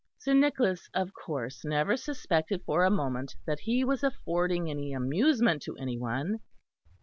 Sir Nicholas, of course, never suspected for a moment that he was affording any amusement to any one.